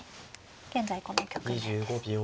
現在この局面ですね。